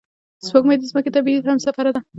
سپوږمۍ د ځمکې طبیعي همسفره ده